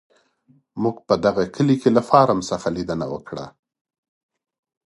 موږ په دغه کلي کې له فارم څخه لیدنه وکړه.